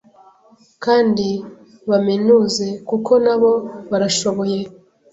kandi baminuze kuko na bo barashoboye.